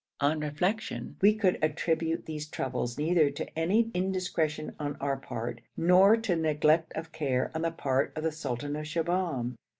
On reflection we could attribute these troubles neither to any indiscretion on our part, nor to neglect of care on the part of the sultan of Shibahm.